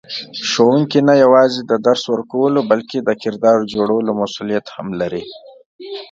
ښوونکی نه یوازې د درس ورکولو بلکې د کردار جوړولو مسئولیت هم لري.